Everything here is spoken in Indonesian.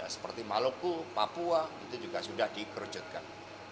seperti maluku papua itu juga sudah dikerucutkan